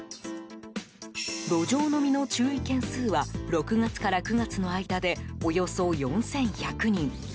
路上飲みの注意件数は６月から９月の間でおよそ４１００人。